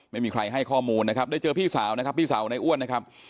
ไม่มีใครให้ข้อมูลนะครับได้เจอพี่สาวนะครับพี่สาวของนายอ้วนนะครับ